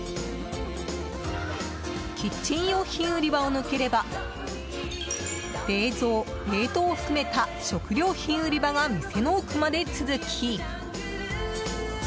キッチン用品売り場を抜ければ冷蔵・冷凍を含めた食料品売り場が店の奥まで続き。